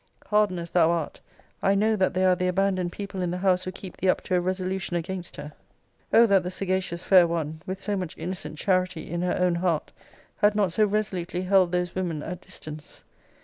Hardened as thou art, I know that they are the abandoned people in the house who keep thee up to a resolution against her. O that the sagacious fair one (with so much innocent charity in her own heart) had not so resolutely held those women at distance!